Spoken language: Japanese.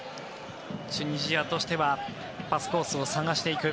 チュニジアとしてはパスコースを探していく。